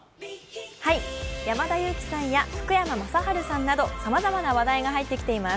山田裕貴さんや福山雅治さんなどさまざまな話題が入ってきています。